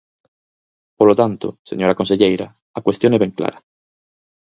Polo tanto, señora conselleira, a cuestión é ben clara.